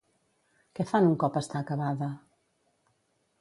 Què fan un cop està acabada?